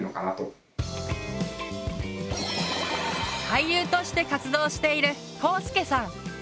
俳優として活動しているこうすけさん。